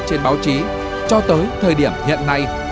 trên báo chí cho tới thời điểm hiện nay